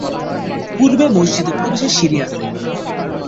পুর্বে মসজিদে প্রবেশের সিঁড়ি আছে।